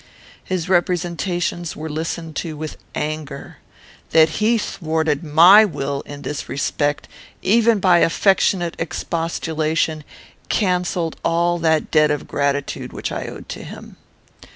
"His representations were listened to with anger. That he thwarted my will in this respect, even by affectionate expostulation, cancelled all that debt of gratitude which I owed to him.